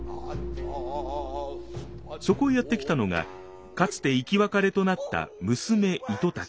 そこへやって来たのがかつて生き別れとなった娘糸滝。